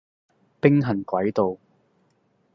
兵行詭道